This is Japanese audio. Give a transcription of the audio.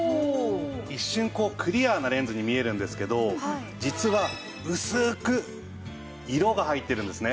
一瞬クリアなレンズに見えるんですけど実は薄く色が入ってるんですね。